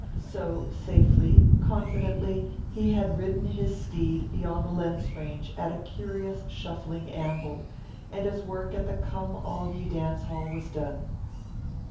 So, safely, confidently, he had ridden his steed beyond the lens range at a curious shuffling amble, and his work at the Come All Ye Dance Hall was done.